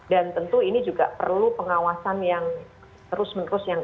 tentu ini juga perlu pengawasan yang terus menerus